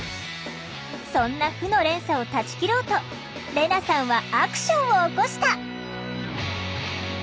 そんな負の連鎖を断ち切ろうとレナさんはアクションを起こした。